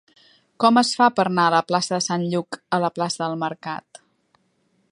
Com es fa per anar de la plaça de Sant Lluc a la plaça del Mercat?